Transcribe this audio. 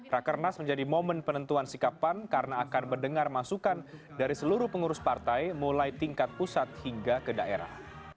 rakernas menjadi momen penentuan sikap pan karena akan mendengar masukan dari seluruh pengurus partai mulai tingkat pusat hingga ke daerah